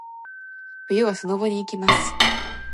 冬はスノボに行きます。